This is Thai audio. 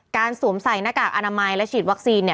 สวมใส่หน้ากากอนามัยและฉีดวัคซีน